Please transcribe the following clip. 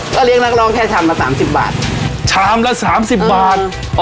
ก็เลี้ยงนักร้องแค่ชามละสามสิบบาทชามละสามสิบบาทเออ